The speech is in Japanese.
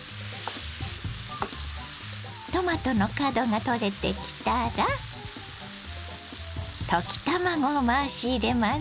トマトの角が取れてきたら溶き卵を回し入れます。